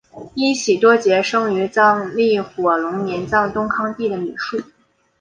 依喜多杰生于藏历火龙年藏东康地的米述。